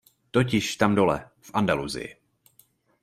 Totiž tam dole, v Andalusii.